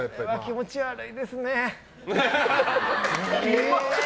気持ち悪いですね。